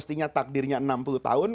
pastinya takdirnya enam puluh tahun